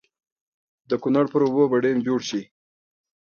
د کنړ پر اوبو به ډېم جوړ شي.